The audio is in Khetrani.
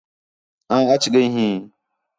آں اَچ ڳئی ہیں